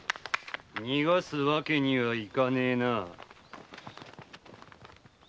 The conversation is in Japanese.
逃がすわけにはいかねえな。